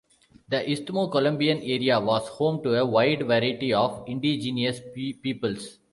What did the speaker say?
The Isthmo-Colombian Area was home to a wide variety of indigenous peoples.